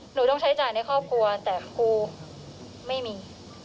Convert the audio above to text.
หนูต้องใช้จ่ายในครอบครัวแต่ครูไม่มี